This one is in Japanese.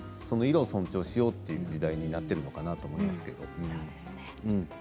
その色を尊重しようという時代になっているのかなと思いますけど。